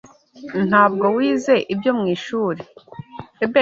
Ntabwo wize ibyo mwishuri?